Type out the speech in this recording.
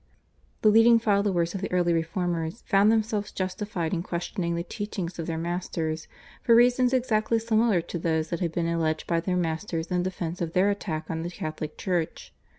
The leading followers of the early Reformers found themselves justified in questioning the teaching of their masters, for reasons exactly similar to those that had been alleged by their masters in defence of their attack on the Catholic Church.